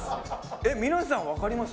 えっ皆さんわかります？